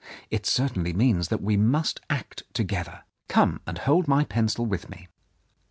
It certainly means that we must act together. Come and hold my pencil with me.